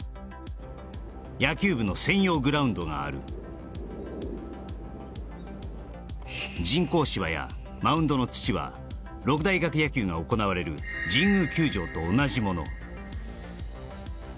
野球部の専用グラウンドがある人工芝やマウンドの土は六大学野球が行われる神宮球場と同じもの